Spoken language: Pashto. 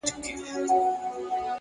ناکامي د بلې هڅې خاموشه بلنه ده،